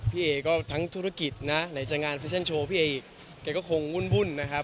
เอก็ทั้งธุรกิจนะไหนจะงานแฟชั่นโชว์พี่เอแกก็คงวุ่นนะครับ